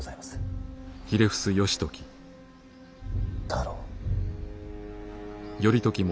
太郎。